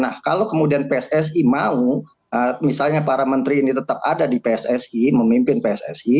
nah kalau kemudian pssi mau misalnya para menteri ini tetap ada di pssi memimpin pssi